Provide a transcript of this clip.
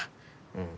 うん。